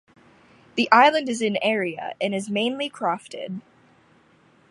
The island is in area and is mainly crofted.